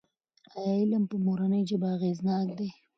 ایا علم په مورنۍ ژبه اغېزناک دی؟